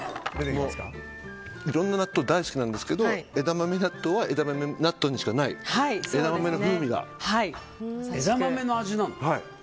いろんな納豆大好きなんですけどえだまめ納豆にしかない枝豆の味なの？